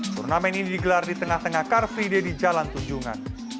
turnamen ini digelar di tengah tengah car free day di jalan tunjungan